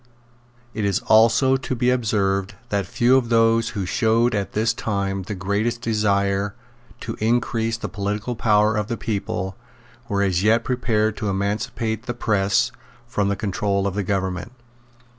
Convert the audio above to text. It is also to be observed that few of those who showed at this time the greatest desire to increase the political power of the people were as yet prepared to emancipate the press from the control of the government.